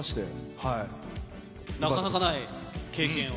なかなかない経験を。